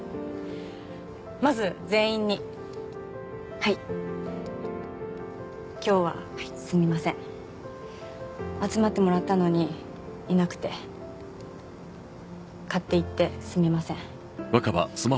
まず全員にはい今日はすみません集まってもらったのにいなくて勝手言ってすみません